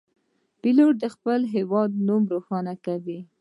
پیلوټ د خپل هیواد نوم روښانه کوي.